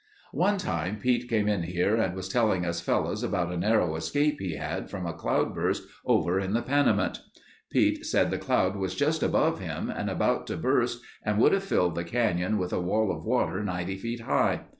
"One time Pete came in here and was telling us fellows about a narrow escape he had from a cloudburst over in the Panamint. Pete said the cloud was just above him and about to burst and would have filled the canyon with a wall of water 90 feet high.